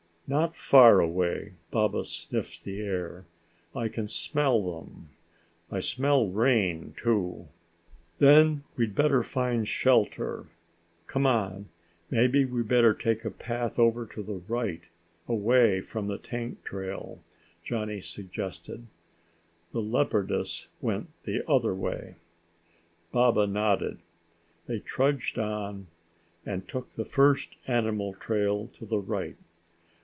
"Not far away." Baba sniffed the air. "I can smell them. I smell rain too." "Then we'd better find shelter. C'mon. Maybe we better take a path over to the right, away from the tank trail," Johnny suggested. "The leopardess went the other way." Baba nodded. They trudged on and took the first animal trail to the right.